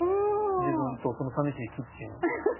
自分とその寂しいキッチンを。